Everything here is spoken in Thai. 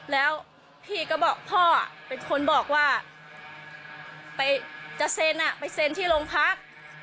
แล้วพี่ก็บอกพ่อเป็นคนบอกว่าไปจะเซ็นไปเซ็นที่โรงพัก